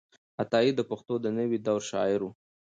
عطايي د پښتو د نوې دور شاعر و.